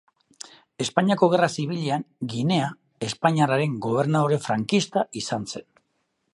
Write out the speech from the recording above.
Espainiako Gerra Zibilean Ginea Espainiarraren Gobernadore frankista izan zen.